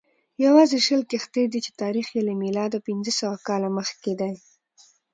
یوازې شل کښتۍ دي چې تاریخ یې له میلاده پنځه سوه کاله مخکې دی